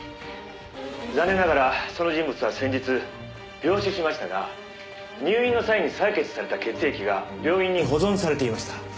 「残念ながらその人物は先日病死しましたが入院の際に採血された血液が病院に保存されていました」